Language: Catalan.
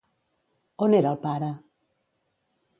On era el pare?